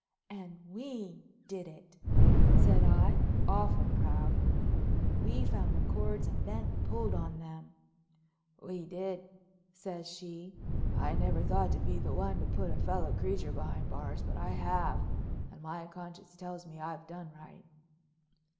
"And we did it," said I, awful proud. "We found the cords and then pulled on them." "We did," says she. "I never thought to be the one to put a fellow creature behind bars, but I have and my conscience tells me I've done right."